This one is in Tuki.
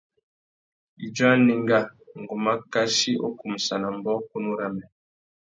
Idjô anénga, ngu mà kachi u kumsana mbōkunú râmê.